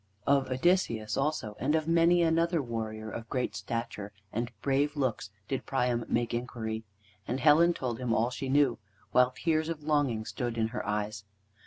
Of Odysseus also, and of many another warrior of great stature and brave looks, did Priam make inquiry. And Helen told him all she knew, while tears of longing stood in her eyes.